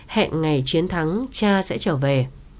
hẹn ngày chiến thắng cha sẽ trở về